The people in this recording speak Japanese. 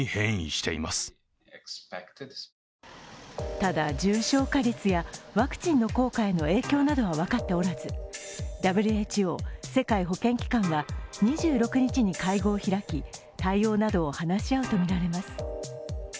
ただ、重症化率やワクチンの効果への影響などは分かっておらずＷＨＯ＝世界保健機関は２６日に会合を開き対応などを話し合うとみられます。